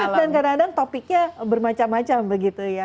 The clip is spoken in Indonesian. dan kadang kadang topiknya bermacam macam begitu ya